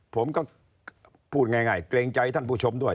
ผมก็พูดง่ายเกรงใจท่านผู้ชมด้วย